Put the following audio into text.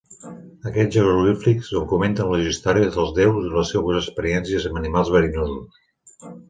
Aquests jeroglífics documenten les històries dels déus i les seues experiències amb animals verinosos.